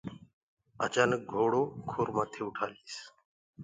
اچآنڪ گھوڙو کُر مٿي اُٺآ ليس۔